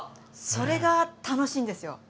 それが楽しいんですよ。